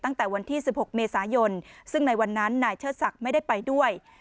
ตั้งแต่วันที่๑๖เมษายนซึ่งในวันนั้นนายเชิดศักดิ์ไม่ได้ไปด้วย